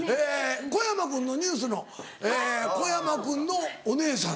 小山君のＮＥＷＳの小山君のお姉さん。